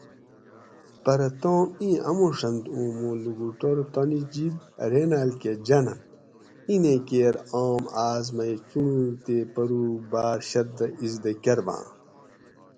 پرہ تام اِیں اموڛنت اُوں مُوں لُکوٹور تانی جِب ریناۤلکۤہ جاۤننت اِیںیں کیر آم آۤس مئ چُنڑوگ تے پروگ باۤر شردہ اِزدہ کۤرباۤں